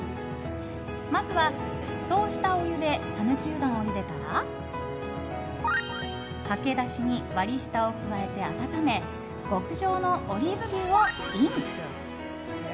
まずは沸騰したお湯で讃岐うどんをゆでたらかけだしに割り下を加えて温め極上のオリーブ牛をイン！